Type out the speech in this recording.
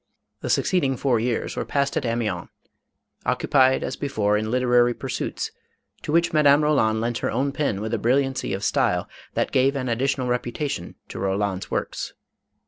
The succeeding four years were passed at Amiens, occupied as before in literary pursuits, to which Madame Roland lent her own pen with a brilliancy of style that gave an additional reputation to Roland's works.